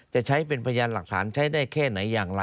จะใช้เป็นพยานหลักฐานใช้ได้แค่ไหนอย่างไร